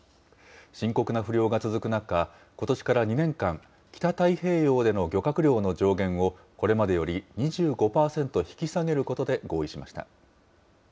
深刻な不漁が続く中、ことしから２年間、北太平洋での漁獲量の上限を、これまでより２５％引き下げることで合意しました。